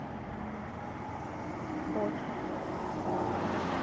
59 FORECAST.